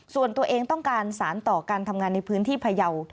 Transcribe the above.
ส่วนตัวเองต้องการสารต่อการทำงานในพื้นที่พยาว